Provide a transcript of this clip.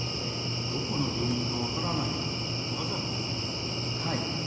どこの病院か分からないよう、わざと？